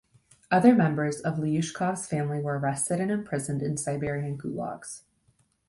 Other members of Lyushkov's family were arrested and imprisoned in Siberian gulags.